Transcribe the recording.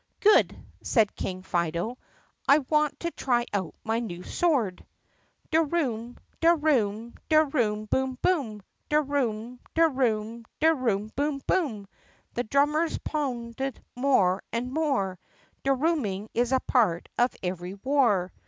"Good," said King Fido, "I want to try out my new sword." De room! de room ! de room ! boom! boom! De room! de room! de room! boom! boom! The drummers pounded more and more, De rooming is a part of every war.